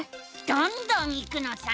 どんどんいくのさ！